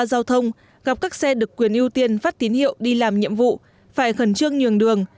giao thông gặp các xe được quyền ưu tiên phát tín hiệu đi làm nhiệm vụ phải khẩn trương nhường đường